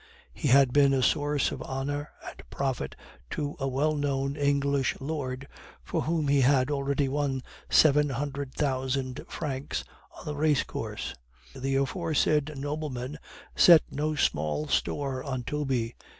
He had been a source of honor and profit to a well known English lord, for whom he had already won seven hundred thousand francs on the race course. The aforesaid nobleman set no small store on Toby.